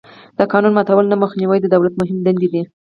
د قانون ماتولو نه مخنیوی د دولت مهمې دندې دي.